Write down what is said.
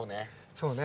そうね。